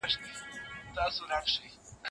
ما دا بیت د پوهنځي په خاطراتو کي ثبت کړ.